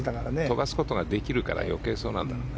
飛ばすことができるから余計そうなんだろうね。